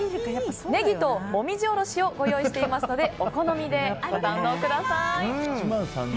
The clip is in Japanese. ネギともみじおろしをご用意していますのでお好みで、ご堪能ください。